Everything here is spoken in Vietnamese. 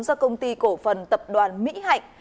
do công ty cổ phần tập đoàn mỹ hạnh